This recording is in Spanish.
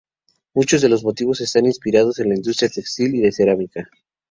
Muchos de los motivos están inspirados en la industria textil y de cerámica.